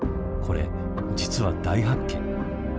これ実は大発見。